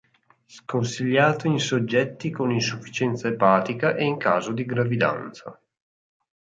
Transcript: Sconsigliato in soggetti con insufficienza epatica e in caso di gravidanza.